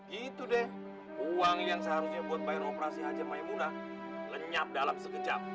gitu deh uang yang seharusnya buat bayar operasi hajar maimurah lenyap dalam sekejap